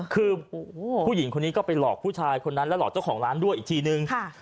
คือผู้หญิงคนนี้ก็ไปหลอกผู้ชายคนนั้นแล้วหลอกเจ้าของร้านด้วยอีกทีนึง